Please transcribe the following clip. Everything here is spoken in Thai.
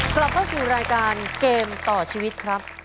กลับเข้าสู่รายการเกมต่อชีวิตครับ